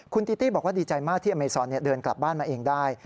คุณติตี้บอกว่าดีใจมากที่อเมซอนเดินกลับบ้านมาเองได้